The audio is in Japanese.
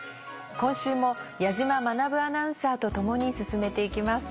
今週も矢島学アナウンサーと共に進めて行きます。